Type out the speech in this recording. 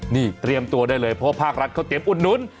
นี่เตรียมตัวได้เลยเพราะภาครัฐเขาเตรียมอุดหนุน